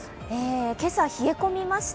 今朝、冷え込みました。